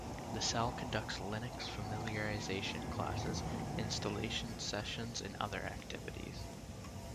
The cell conducts Linux familiarisation classes, installation sessions and other activities.